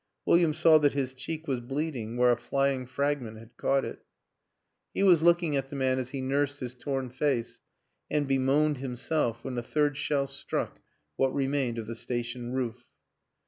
William saw that his cheek was bleeding where a flying fragment had caught it. He was looking 128 WILLIAM AN ENGLISHMAN at the man as he nursed his torn face and be moaned himself when a third shell struck what remained of the station roof.